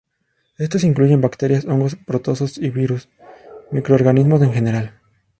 Estos incluyen: bacterias, hongos, protozoos y virus; microorganismos en general.